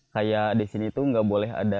kayak di sini tuh nggak boleh ada